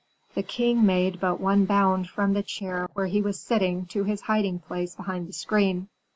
The king made but one bound from the chair where he was sitting to his hiding place behind the screen.